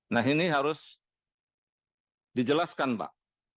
nah ini harus dijelaskan pak